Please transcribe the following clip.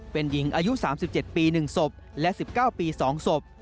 เป็นหญิงอายุ๓๗ปี๑ศพและ๑๙ปี๒ศพ